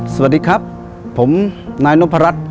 สวัสดีครับผมนายนพรัช